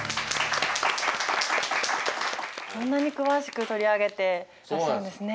こんなに詳しく取り上げてらっしゃるんですね。